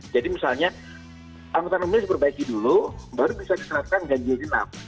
jadi misalnya anggota anggota milik berbaiki dulu baru bisa diterapkan ganjil genap